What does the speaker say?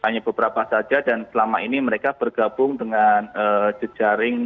hanya beberapa saja dan selama ini mereka bergabung dengan jejaring